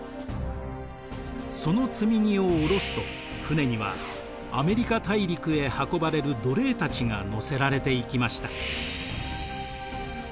その積み荷を降ろすと船にはアメリカ大陸へ運ばれる奴隷たちが乗せられていきました。